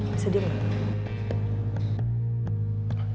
bisa diam nggak